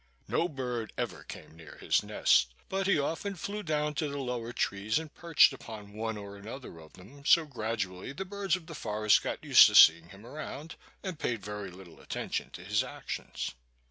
No bird ever came near his nest, but he often flew down to the lower trees and perched upon one or another of them, so gradually the birds of the forest got used to seeing him around, and paid very little attention to his actions.